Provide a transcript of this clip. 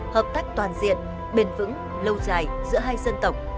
hợp tác toàn diện bền vững lâu dài giữa hai dân tộc